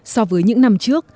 so với những năm trước